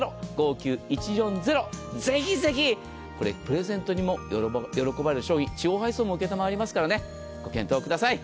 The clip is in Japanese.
ぜひぜひプレゼントにも喜ばれる商品地方配送も承りますからご検討ください。